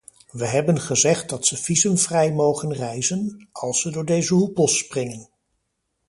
We hebben gezegd dat ze visumvrij mogen reizen, als ze door deze hoepels springen.